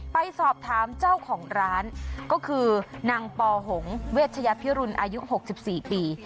ไปสอบถามเจ้าของร้านก็คือนางปอหงเวชยพิรุณอายุ๖๔ปี